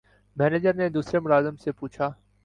manager نے دوسرے ملازم سے پوچھا